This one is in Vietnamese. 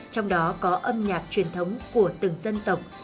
trong đó có âm nhạc truyền thống của từng dân tộc